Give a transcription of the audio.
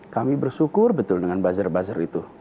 kami bersyukur betul dengan buzzer buzzer itu